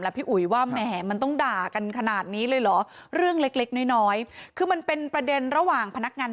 อ่านห้าสิบไปไปเลยค่ะเดี๋ยวจ่ายไปเลย